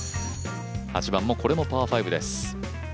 ８番もこれもパー５です。